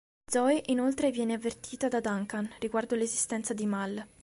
Zoey inoltre viene avvertita da Duncan riguardo l'esistenza di Mal.